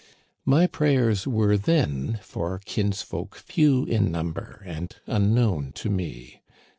My prayers were then for kinsfolk few in number and unknown to me.